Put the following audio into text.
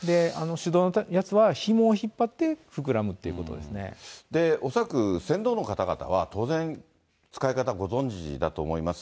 手動のやつはひもを引っ張っ恐らく船頭の方々は当然、使い方ご存じだと思います。